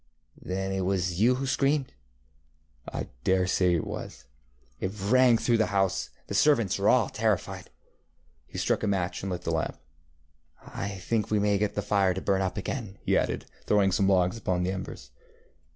ŌĆØ ŌĆ£Then it was you who screamed? ŌĆØ ŌĆ£I dare say it was. ŌĆØ ŌĆ£It rang through the house. The servants are all terrified. ŌĆØ He struck a match and lit the lamp. ŌĆ£I think we may get the fire to burn up again, ŌĆØ he added, throwing some logs upon the embers.